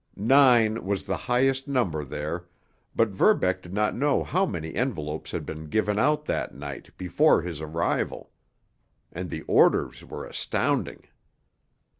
Nine was the highest number there, but Verbeck did not know how many envelopes had been given out that night before his arrival. And the orders were astounding.